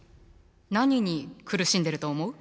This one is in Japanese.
何に苦しんでると思う？